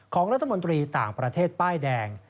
ของรัฐมนตรีต่างประเทศป้ายแดง